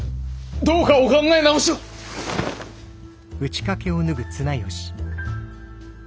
どうかお考え直しを！